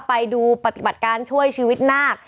ไปดูปฏิบัติการช่วยชีวิตนาค